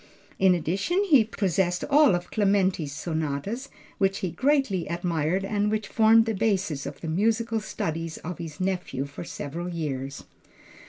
In addition, he possessed all of Clementi's sonatas, which he greatly admired and which formed the basis of the musical studies of his nephew for several years.